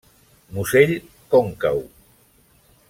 Musell còncau.